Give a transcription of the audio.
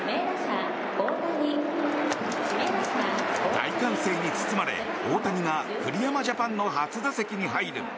大歓声に包まれ、大谷が栗山ジャパンの初打席に入る。